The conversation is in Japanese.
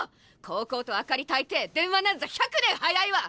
こうこうと明かりたいて電話なんざ１００年早いわ！